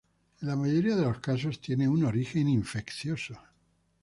En la mayoría de los casos tiene un origen infeccioso.